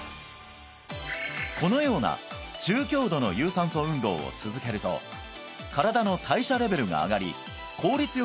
このような中強度の有酸素運動を続けると身体の代謝レベルが上がり効率